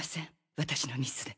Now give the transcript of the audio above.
私のミスで。